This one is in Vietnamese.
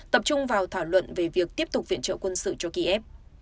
tập trung vào thảo luận về việc tiếp tục viện trợ quân sự cho kiev